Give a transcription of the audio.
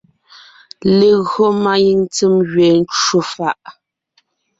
Légÿo máanyìŋ ntsèm gẅeen ncwò fàʼ,